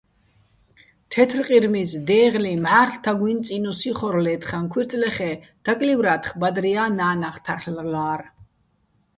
თეთრყირმიზ, დეღლიჼ, მჵა́რლ' თაგუჲნი̆ წინუს იხორ ლე́თხაჼ ქუჲრწლეხ-ე́, დაკლივრა́თხ, ბადრია́ ნა́ნახ თარლ'ლა́რ.